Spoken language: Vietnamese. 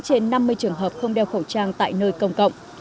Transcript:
trên năm mươi trường hợp không đeo khẩu trang tại nơi công cộng